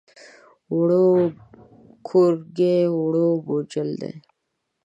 ووړ کورګی دی، ووړ بوجل دی.